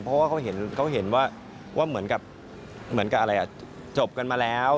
เพราะว่าเขาเห็นว่าเหมือนกับอะไรจบกันมาแล้ว